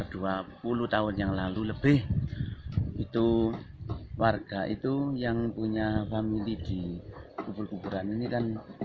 dua puluh tahun yang lalu lebih itu warga itu yang punya family di kubur kuburan ini kan